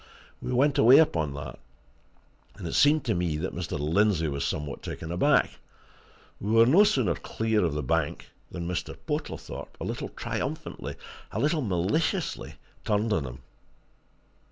We went away upon that, and it seemed to me that Mr. Lindsey was somewhat taken aback. And we were no sooner clear of the bank than Mr. Portlethorpe, a little triumphantly, a little maliciously, turned on him.